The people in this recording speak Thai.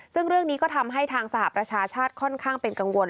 ซึ่งเรื่องนี้ก็ทำให้ทางสหประชาชาติค่อนข้างเป็นกังวล